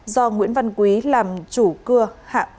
do nguyễn văn quý làm chủ cưa hạ